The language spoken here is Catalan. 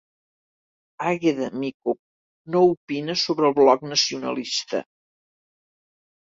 Àgueda Micó no opina sobre el Bloc Nacionalista